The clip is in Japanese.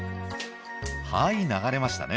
「はい流れましたね